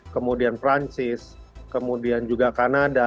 kemudian perancis kemudian juga kanada